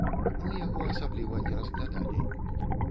Мы яго асабліва не разглядалі.